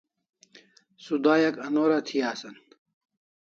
Sudayak anorÃ thi asan